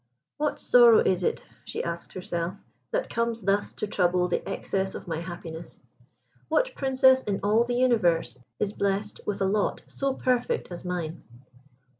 "What sorrow is it," she asked herself, "that comes thus to trouble the excess of my happiness? What Princess in all the universe is blest with a lot so perfect as mine?